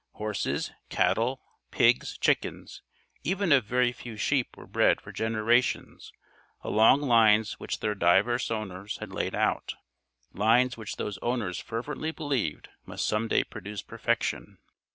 Horses, cattle, pigs, chickens, even a very few sheep were bred for generations along lines which their divers owners had laid out lines which those owners fervently believed must some day produce perfection.